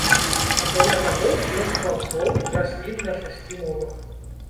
Акрамя таго, ён склаў слоўнік раслін на шасці мовах.